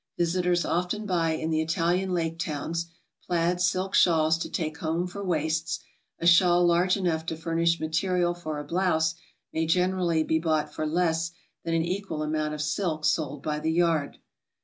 Visitors often buy in the Italian Lake totwns plaid silk shawls to take home for waists; a Shawl large enough to furnish material for a blouse may generally be bought for less than an equal amount of silk sold by the yard.